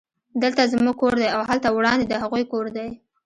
دلته زموږ کور دی او هلته وړاندې د هغوی کور دی